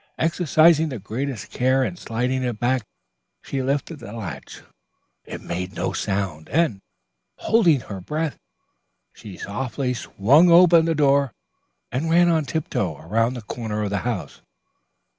Exercising the greatest care in sliding it back, she lifted the latch. It made no sound, and, holding her breath, she softly swung open the door and ran on tiptoe around the corner of the house.